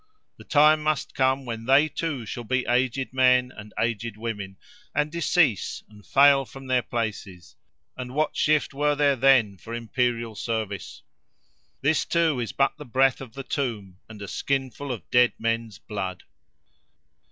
The time must come when they too shall be aged men and aged women, and decease, and fail from their places; and what shift were there then for imperial service? This too is but the breath of the tomb, and a skinful of dead men's blood.